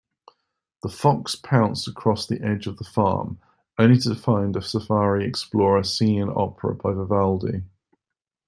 The fox pounced across the edge of the farm, only to find a safari explorer singing an opera by Vivaldi.